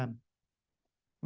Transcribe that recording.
bạn đội chú làm